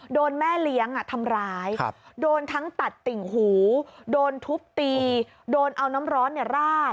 โดนแม่เลี้ยงทำร้ายโดนทั้งตัดติ่งหูโดนทุบตีโดนเอาน้ำร้อนร่า